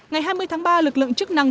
ngày hai mươi tháng ba lực lượng chức năng